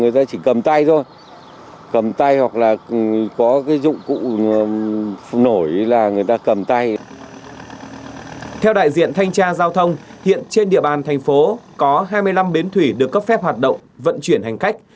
theo đại diện thanh tra giao thông hiện trên địa bàn thành phố có hai mươi năm bến thủy được cấp phép hoạt động vận chuyển hành khách